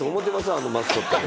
あのマスコット。